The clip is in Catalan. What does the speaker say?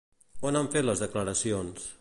On han fet les declaracions?